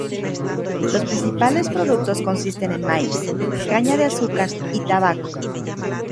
Los principales productos consisten en maíz, caña de azúcar y tabaco.